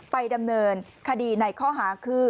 ไปดำเนินคดีในข้อหาคือ